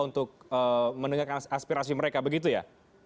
untuk mendengarkan aspirasi mereka begitu ya